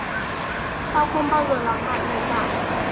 tao không bao giờ làm hại mày cả